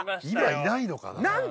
今いないのかな？